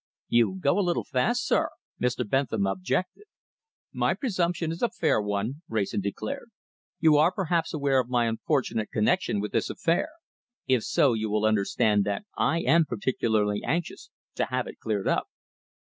"You go a little fast, sir," Mr. Bentham objected. "My presumption is a fair one," Wrayson declared. "You are perhaps aware of my unfortunate connection with this affair. If so, you will understand that I am particularly anxious to have it cleared up."